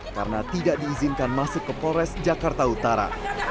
karena tidak diizinkan masuk ke polres jakarta utara